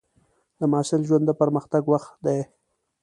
د محصل ژوند د پرمختګ وخت دی.